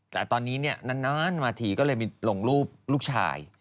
แต่ตอนนี้นานมาทีก็เลยมีลงรูปลูกชาย